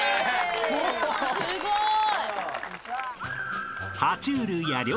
すごい。